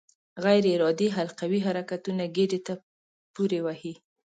غیر ارادي حلقوي حرکتونه ګېډې ته پورې وهي.